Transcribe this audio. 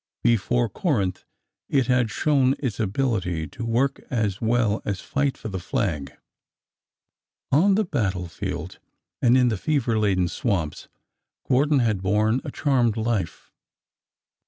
Before Corinth it had shown its ability to work as well as fight for the flag. On the battle field and in the fever laden swamps, Gordon had borne a charmed life.